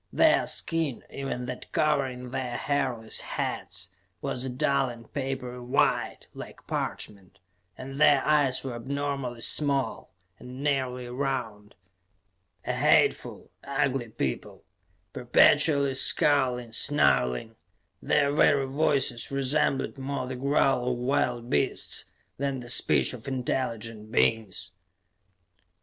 Their skin, even that covering their hairless heads, was a dull and papery white, like parchment, and their eyes were abnormally small, and nearly round. A hateful, ugly people, perpetually scowling, snarling; their very voices resembled more the growl of wild beasts than the speech of intelligent beings.